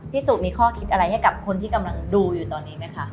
สุมีข้อคิดอะไรให้กับคนที่กำลังดูอยู่ตอนนี้ไหมคะ